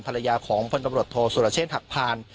ภรรยาของพลตำรวจโทษสุรเชษฐหักพาน